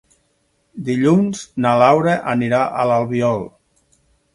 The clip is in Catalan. Dilluns na Laura anirà a l'Albiol.